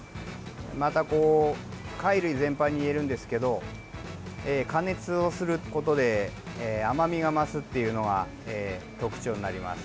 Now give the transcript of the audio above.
また貝類全般にいえるんですけど加熱をすることで甘みが増すっていうのが特徴になります。